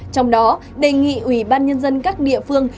trong đó đề nghị ủy ban nhân dân các địa phương